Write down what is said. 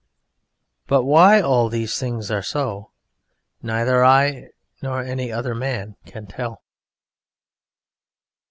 But why all these things are so neither I nor any other man can tell.